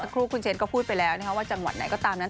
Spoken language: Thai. ครูคุณเชนก็พูดไปแล้วว่าจังหวัดไหนก็ตามนั้น